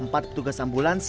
empat petugas ambulans